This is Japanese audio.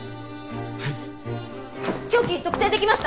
凶器特定できました！